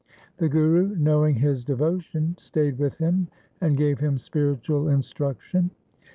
The Guru knowing his devotion stayed with him and gave him spiritual instruction.